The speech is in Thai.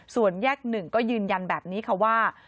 ส่วนแยก๑ก็ยืนยันแบบนี้ค่ะว่า